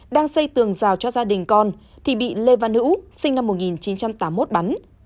đang xây tường rào cho gia đình con thì bị lê văn hữu sinh năm một nghìn chín trăm tám mươi một bắn